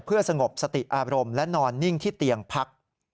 เพื่อสงบสติอารมณ์และนอนนิ่งที่เตียงพัก